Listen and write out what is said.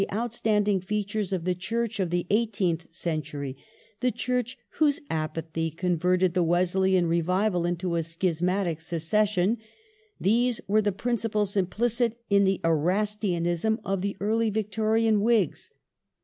180 SIR ROBERT PEEL'S MINISTRY [1841 standing features of the Church of the eighteenth century, the Church whose apathy converted the Wesleyan revival into a schismatic secession ; these were the principles implicit in the " Erastianism " of the early Victorian Whigs.